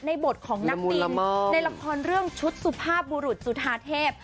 บทของนักบินในละครเรื่องชุดสุภาพบุรุษจุธาเทพ